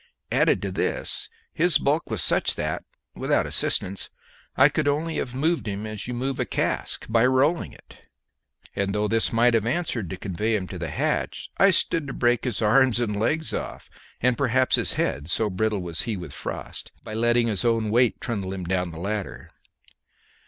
Added to this, his bulk was such that, without assistance, I could only have moved him as you move a cask, by rolling it; and though this might have answered to convey him to the hatch, I stood to break his arms and legs off, and perhaps his head, so brittle was he with frost, by letting his own weight trundle him down the ladder.